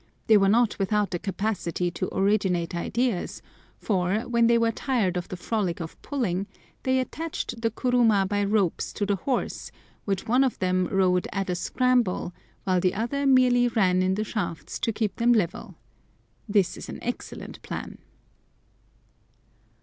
They were not without the capacity to originate ideas, for, when they were tired of the frolic of pulling, they attached the kuruma by ropes to the horse, which one of them rode at a "scramble," while the other merely ran in the shafts to keep them level. This is an excellent plan.